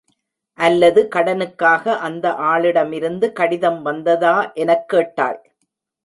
அல்லது கடனுக்காக அந்த ஆளிடமிருந்து கடிதம் வந்ததா எனக்கேட்டாள்.